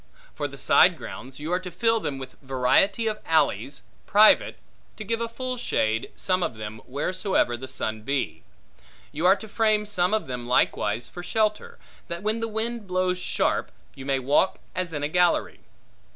For the side grounds, you are to fill them with variety of alleys, private, to give a full shade, some of them, wheresoever the sun be. You are to frame some of them, likewise, for shelter, that when the wind blows sharp you may walk as in a gallery.